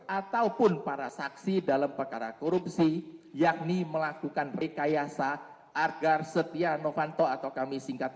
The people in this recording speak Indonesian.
dua puluh tiga ataupun para saksi dalam perkara korupsi yakni melakukan rekayasa agar setia novanto atau kami singkat sn